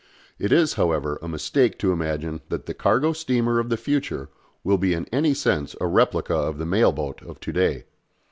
It is, however, a mistake to imagine that the cargo steamer of the future will be in any sense a replica of the mail boat of to day.